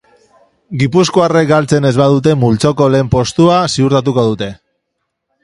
Gipuzkoarrek galtzen ez badute multzoko lehen postua ziurtatuko dute.